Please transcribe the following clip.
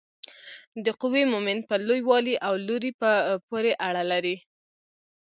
د قوې مومنت په لوی والي او لوري پورې اړه لري.